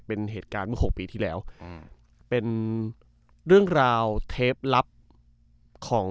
เป็นเหตุการณ์เมื่อหกปีที่แล้วอืมเป็นเรื่องราวเทปลับของ